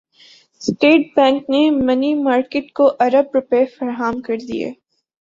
state bank نےمنی market کو ارب روپے فراہم کردیے